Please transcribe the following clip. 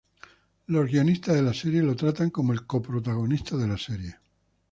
Los guionistas de la serie lo tratan como el co-protagonista de la serie.